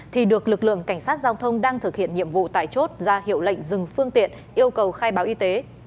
thì được lực lượng cảnh sát giao thông đang thực hiện nhiệm vụ tại chốt ra hiệu lệnh dừng phương tiện yêu cầu khai báo y tế